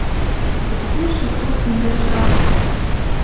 Хоть сиржӹ со сӹнзӓэш ак кай...» —